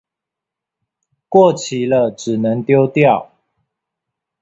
過期了只能丟掉